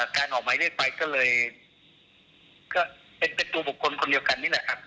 การออกหมายเรียกไปก็เลยเป็นตัวบุคคลคนเดียวกันนี่แหละครับ